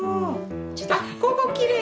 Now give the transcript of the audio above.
あっここきれい！